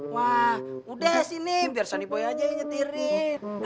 wah udah sini biar sunny boy aja yang nyetirin